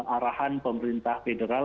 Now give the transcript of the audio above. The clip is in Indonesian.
arahan pemerintah federal